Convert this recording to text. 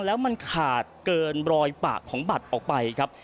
แล้วมันขาดเกินรอยปากของบัตรออกไปครับ